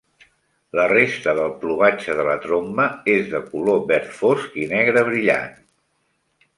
La resta del plomatge de la tromba és de color verd fosc i negre brillant.